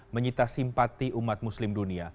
menyita simpati umat muslim dunia